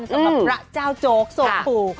สำหรับพระเจ้าโจ๊กโสภู